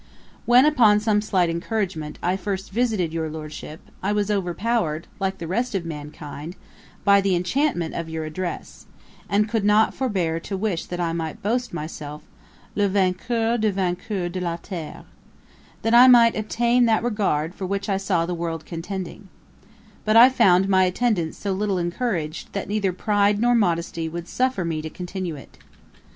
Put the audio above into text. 'When, upon some slight encouragement, I first visited your Lordship, I was overpowered, like the rest of mankind, by the enchantment of your address; and could not forbear to wish that I might boast myself Le vainqueur du vainqueur de la terre; that I might obtain that regard for which I saw the world contending; but I found my attendance so little encouraged, that neither pride nor modesty would suffer me to continue it.